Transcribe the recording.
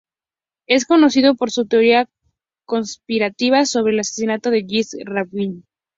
Es conocido por su teoría conspirativa sobre el asesinato de Yitzhak Rabin.